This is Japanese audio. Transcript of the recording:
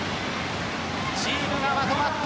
チームがまとまった。